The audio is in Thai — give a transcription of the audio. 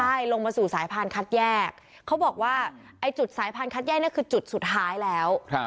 ใช่ลงมาสู่สายพานคัดแยกเขาบอกว่าไอ้จุดสายพานคัดแยกเนี่ยคือจุดสุดท้ายแล้ว